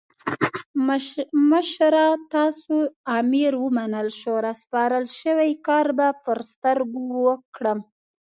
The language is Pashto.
مشره تاسو امر ومنل شو؛ راسپارل شوی کار به پر سترګو وکړم.